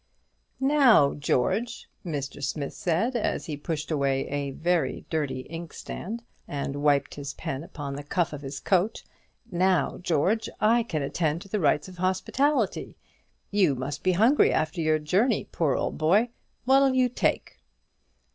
"Now, George," Mr. Smith said, as he pushed away a very dirty inkstand, and wiped his pen upon the cuff of his coat, "now, George, I can attend to the rights of hospitality. You must be hungry after your journey, poor old boy! What'll you take?"